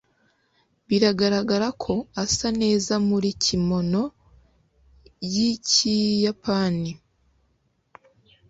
biragaragara ko asa neza muri kimono yikiyapani